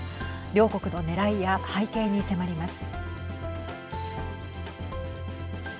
両国のねらいや背景に迫ります。